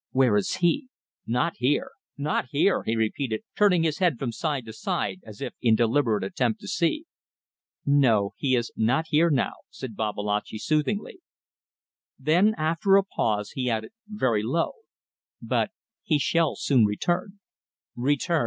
"Where is he? Not here. Not here!" he repeated, turning his head from side to side as if in deliberate attempt to see. "No! He is not here now," said Babalatchi, soothingly. Then, after a pause, he added very low, "But he shall soon return." "Return!